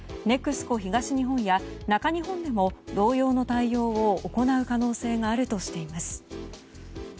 ＮＥＸＣＯ東日本や中日本にも同様の対応を行う可能性があるとしています。